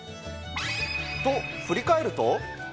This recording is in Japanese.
と、振り返ると。